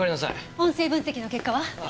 音声分析の結果は？